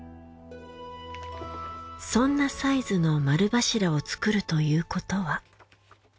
そんなサイズの丸柱を作るということは。